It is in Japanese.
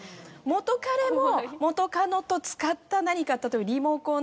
元彼も元カノと使った何か例えば。